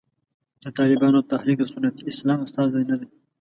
د طالبانو تحریک د سنتي اسلام استازی نه دی.